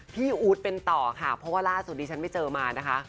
อู๊ดเป็นต่อค่ะเพราะว่าล่าสุดดิฉันไม่เจอมานะคะ